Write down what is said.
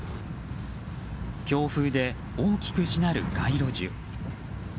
強風で大きくしなる街路樹。